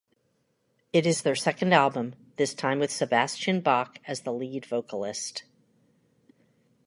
It is their second album, this time with Sebastian Bach as the lead vocalist.